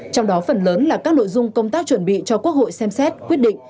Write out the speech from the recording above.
trong đó phần lớn là các nội dung công tác chuẩn bị cho quốc hội xem xét quyết định